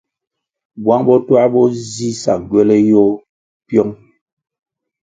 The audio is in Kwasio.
Buang botuah bo zi sa ngywele yôh piong.